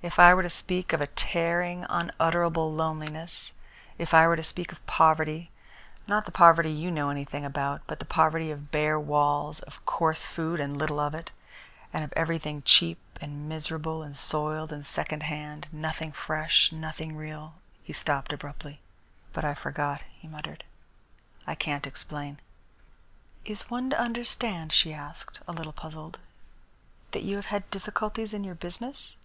If I were to speak of a tearing, unutterable loneliness, if I were to speak of poverty not the poverty you know anything about, but the poverty of bare walls, of coarse food and little enough of it, of everything cheap and miserable and soiled and second hand nothing fresh, nothing real " He stopped abruptly. "But I forgot," he muttered. "I can't explain." "Is one to understand," she asked, a little puzzled, "that you have had difficulties in your business?"